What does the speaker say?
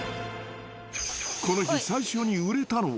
この日最初に売れたのは。